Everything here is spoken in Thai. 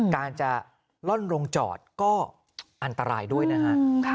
การจะล่อนลงจอดก็อันตรายด้วยนะฮะ